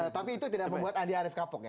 tapi itu tidak membuat andi arief kapok ya